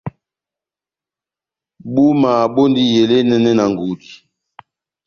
Búma bondi elé enɛnɛ na ngudi.